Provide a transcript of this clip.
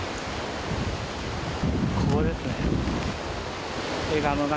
ここですね。